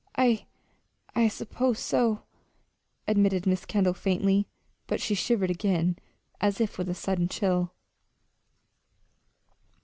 "I I suppose so," admitted Mrs. Kendall, faintly; but she shivered again, as if with a sudden chill.